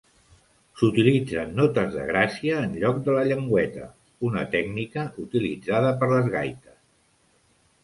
S'utilitzen notes de gràcia en lloc de la llengüeta, una tècnica utilitzada per les gaites.